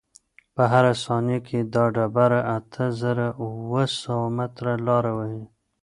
په هره ثانیه کې دا ډبره اته زره اوه سوه متره لاره وهي.